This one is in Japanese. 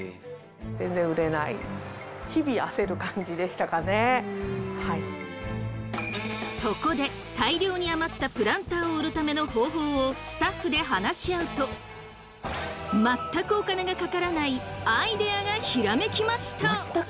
しかしそこで大量に余ったプランターを売るための方法をスタッフで話し合うと全くお金がかからないアイデアがひらめきました！